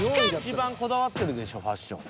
一番こだわってるでしょファッション。